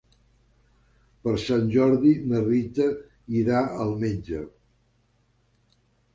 Per Sant Jordi na Rita irà al metge.